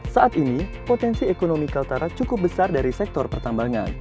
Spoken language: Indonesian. saat ini potensi ekonomi kaltara cukup besar dari sektor pertambangan